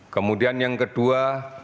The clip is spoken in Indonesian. kemudian yang kedua